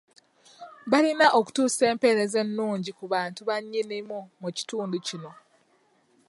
Balina okutuusa empeereza ennungi ku bantu ba Nnyinimu mu kitundu kino.